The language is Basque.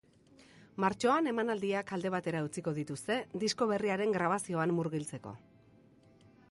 Martxoan emanaldiak alde batera utziko dituzte, disko berriaren grabazioan murgiltzeko.